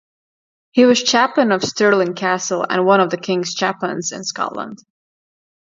He was Chaplain of Stirling Castle and one of the King's Chaplains in Scotland.